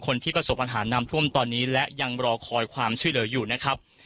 คนที่ประสบปัญหาน้ำท่วมตอนนี้และยังรอคอยความช่วยเหลืออยู่นะครับ